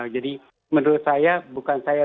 jadi menurut saya bukan saya